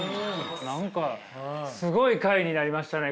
何かすごい回になりましたね